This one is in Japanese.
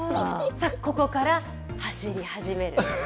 ここから走り始める。